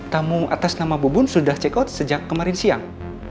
tamu atas nama bubun sudah check out sejak kemarin siang